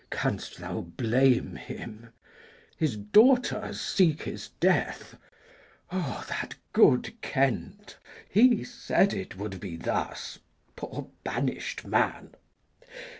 Glou. Canst thou blame him? Storm still. His daughters seek his death. Ah, that good Kent! He said it would be thus poor banish'd man!